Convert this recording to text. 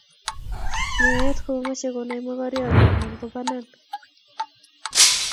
Meet komamochei konai mokornondi anan ko banan.